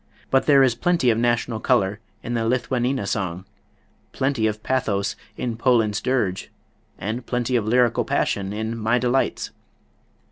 But there is plenty of national color in the "Lithuanina" song, plenty of pathos in "Poland's Dirge," and plenty of lyrical passion in "My Delights."